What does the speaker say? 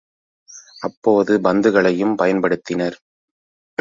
அப்போது பந்துகளையும் பயன்படுத்தினர்.